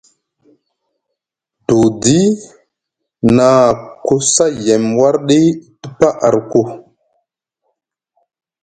Dudi na ku sa yem wardi te paa arku.